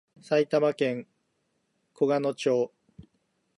埼玉県小鹿野町